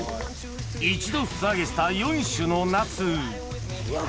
一度素揚げした４種のナスうわ